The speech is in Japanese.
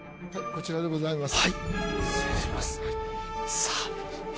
こちらでございます。